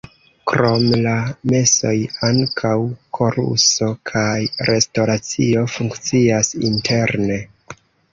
Krom la mesoj ankaŭ koruso kaj restoracio funkcias interne.